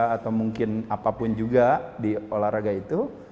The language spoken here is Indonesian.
atau mungkin apapun juga di olahraga itu